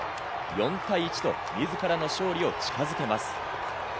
４対１と自らの勝利を近づけます。